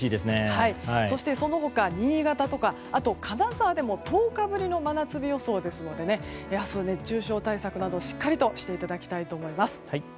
そしてその他、新潟とか金沢でも１０日ぶりの真夏日予想ですので明日は熱中症対策などしっかりとしていただきたいと思います。